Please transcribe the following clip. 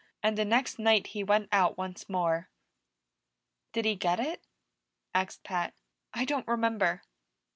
And the next night he went out once more." "Did he get it?" asked Pat. "I don't remember."